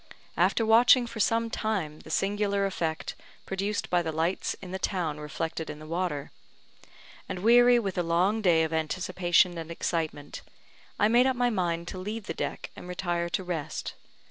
After watching for some time the singular effect produced by the lights in the town reflected in the water, and weary with a long day of anticipation and excitement, I made up my mind to leave the deck and retire to rest.